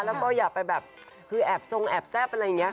แล้วก็อย่าไปแบบคือแอบทรงแอบแซ่บอะไรอย่างนี้ค่ะ